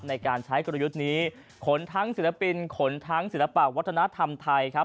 ในการใช้กลยุทธ์นี้ขนทั้งศิลปินขนทั้งศิลปะวัฒนธรรมไทยครับ